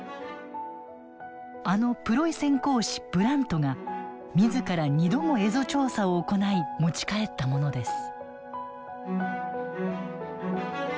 あのプロイセン公使ブラントが自ら２度も蝦夷調査を行い持ち帰ったものです。